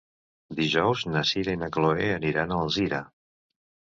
Dijous na Sira i na Chloé aniran a Alzira.